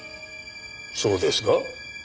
そうですが？